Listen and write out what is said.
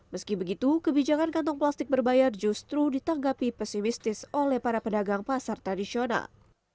meski begitu kebijakan kantong plastik berbayar justru ditanggapi pesimistis oleh para pedagang pasar tradisional